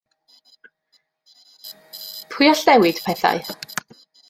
Pwy all newid pethau?